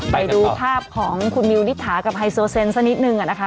ไปดูภาพของคุณมิวนิษฐากับไฮโซเซนสักนิดนึงนะคะ